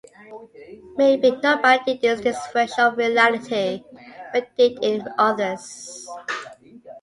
Maybe nobody did in this version of reality, but did in others.